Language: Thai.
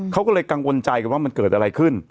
เขาก็เลยกังวลใจกันว่ามันเกิดอะไรขึ้น